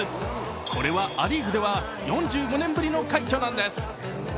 これはア・リーグでは４５年ぶりの快挙なんです。